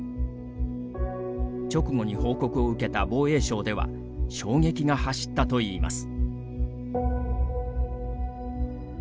直後に報告を受けた防衛省では衝撃が走ったといいます。